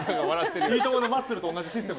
「いいとも！」のマッスルと同じシステム。